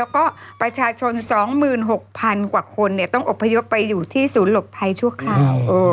แล้วก็ประชาชน๒๖๐๐๐กว่าคนต้องอบพยพไปอยู่ที่ศูนย์หลบภัยชั่วคราว